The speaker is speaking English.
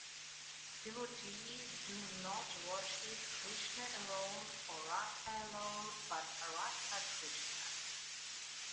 Devotees do not worship Krishna alone, or Radha alone, but Radha-Krishna.